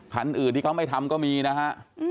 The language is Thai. คันอื่นที่เขาไม่ทำก็มีนะฮะ